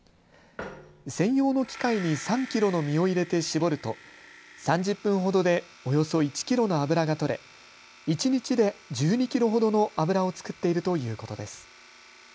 専用の機械に３キロの実を入れて搾ると３０分ほどでおよそ１キロの油が取れ一日で１２キロほどの油を作っているということです。